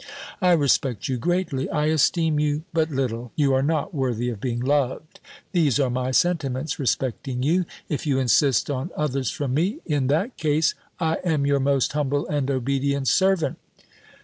"I respect you greatly; I esteem you but little; you are not worthy of being loved. These are my sentiments respecting you; if you insist on others from me, in that case, "I am, "Your most humble and obedient servant."